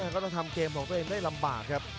ก็ต้องทำเกมของตัวเองได้ลำบากครับ